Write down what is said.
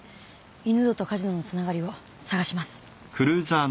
犬堂とカジノのつながりを探します。